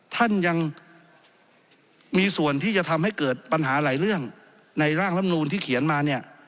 ท่านยังมีส่วนที่จะทำให้เกิดปัญหาหลายเรื่องในร่างลำนูนที่เขียนมาเนี่ย